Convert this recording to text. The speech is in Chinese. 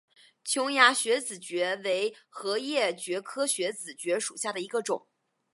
琼崖穴子蕨为禾叶蕨科穴子蕨属下的一个种。